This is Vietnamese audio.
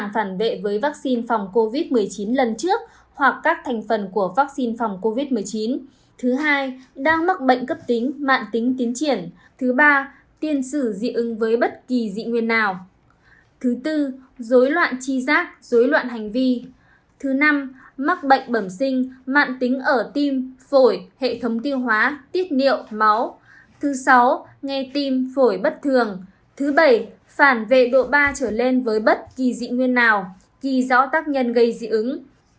bảy phản vệ độ ba trở lên với bất kỳ dị nguyên nào ghi rõ tác nhân gây dị ứng